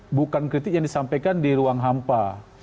itu juga bukan kritik yang disampaikan di ruang hampa